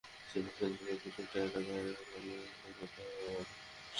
চেন্নাই সেন্ট্রালের প্রতিটা এলাকায় তল্লাশি করতে হবে আমাদের।